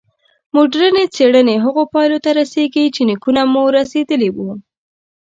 مډرني څېړنې هغو پایلو ته رسېږي چې نیکونه مو رسېدلي وو.